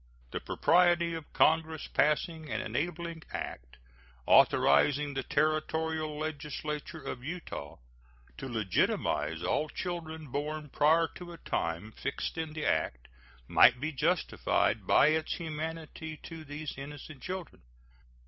The propriety of Congress passing an enabling act authorizing the Territorial legislature of Utah to legitimize all children born prior to a time fixed in the act might be justified by its humanity to these innocent children.